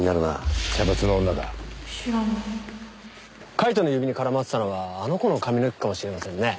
カイトの指に絡まってたのはあの子の髪の毛かもしれませんね。